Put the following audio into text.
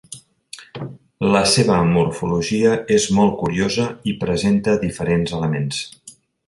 La seva morfologia és molt curiosa i presenta diferents elements.